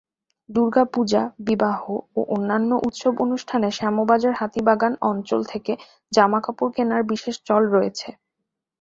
দুর্গাপূজা, বিবাহ ও অন্যান্য উৎসব অনুষ্ঠানে শ্যামবাজার-হাতিবাগান অঞ্চল থেকে জামাকাপড় কেনার বিশেষ চল রয়েছে।